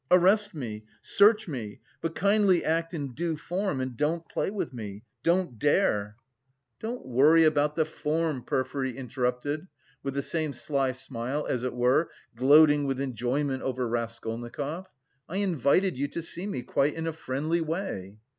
"Arrest me, search me, but kindly act in due form and don't play with me! Don't dare!" "Don't worry about the form," Porfiry interrupted with the same sly smile, as it were, gloating with enjoyment over Raskolnikov. "I invited you to see me quite in a friendly way."